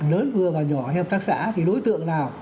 lớn vừa và nhỏ hay hợp tác xã